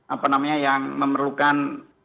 apa namanya yang memerlukan